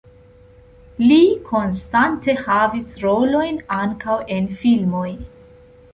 Li konstante havis rolojn ankaŭ en filmoj.